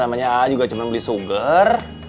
namanya aa juga cuma beli sugar